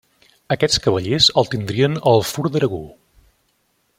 Aquests cavallers el tindrien al fur d'Aragó.